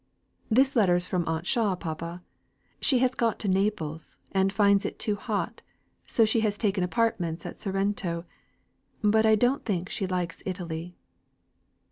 "This letter is from Aunt Shaw, papa. She has got to Naples, and finds it too hot, so she has taken apartments at Sorrento. But I don't think she likes Italy."